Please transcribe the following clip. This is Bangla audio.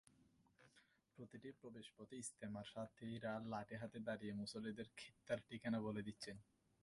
প্রতিটি প্রবেশপথে ইজতেমার সাথিরা লাঠি হাতে দাঁড়িয়ে মুসল্লিদের খিত্তার ঠিকানা বলে দিচ্ছেন।